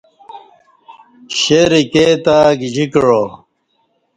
شیر ایکے تہ گیجی کعا